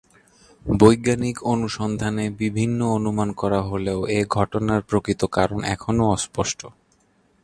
বৈজ্ঞানিক অনুসন্ধানে বিভিন্ন অনুমান করা হলেও এ ঘটনার প্রকৃত কারণ এখনও অস্পষ্ট।